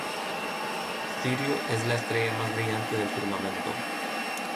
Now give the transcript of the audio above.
Sirio es la estrella más brillante del firmamento.